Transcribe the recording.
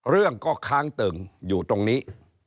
เรื่องก็ค้างตึงอยู่ตรงนี้